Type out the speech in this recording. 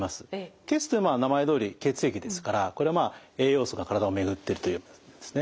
「血」は名前どおり血液ですからこれは栄養素が体を巡ってるというものですね。